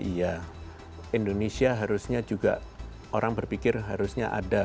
iya indonesia harusnya juga orang berpikir harusnya ada